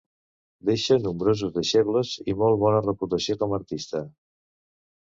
Deixà nombrosos deixebles i molt bona reputació com artista.